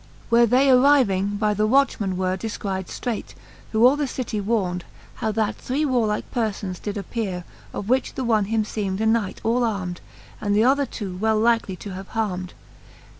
Where they arriving, by the watchmen were Defcried ftrelght, who all the city warned, How that three warlike perfons did appeare, Of which the one him ieem'd a knight ali armed, And th'other two well likely to have harmed.